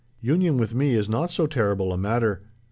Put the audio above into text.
Union with me is not so terrible a matter.